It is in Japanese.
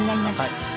はい。